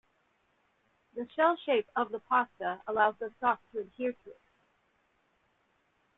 The shell shape of the pasta allows the sauce to adhere to it.